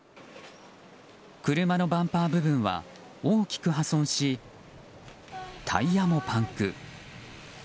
車のバンパー部分は大きく破損しタイヤもパンク。